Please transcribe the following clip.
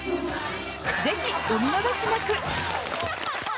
ぜひ、お見逃しなく！